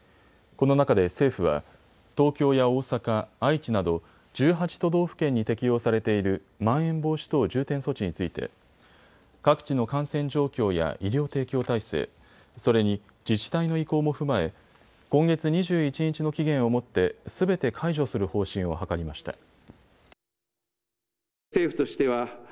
この中で政府は東京や大阪、愛知など１８都道府県に適用されているまん延防止等重点措置について各地の感染状況や医療提供体制、それに自治体の意向も踏まえ今月２１日の期限をもってすべて解除する方針を諮りました。